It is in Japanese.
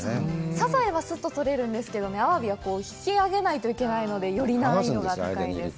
サザエは、すっと採れるんですけどアワビは引き上げないといけないのでより難易度が高いです。